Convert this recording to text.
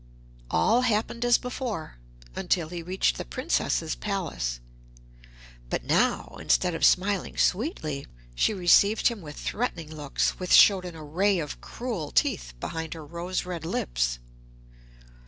All happened as before, until he reached the Princess's palace; but now, instead of smiling sweetly, she received him with threatening looks which showed an array of cruel teeth behind her rose red lips.